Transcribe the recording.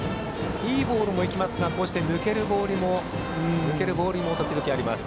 いいボールもいきますがこうして抜けるボールも時々あります。